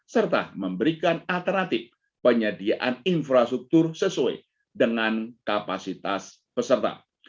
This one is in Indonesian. serta memberikan alternatif penyediaan infrastruktur sesuai dengan kapasitas peserta